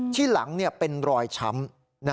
ที่หลังเป็นรอยช้ำ